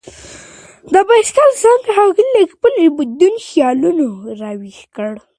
د بایسکل زنګ هغه له خپلو بدو خیالونو راویښ کړ.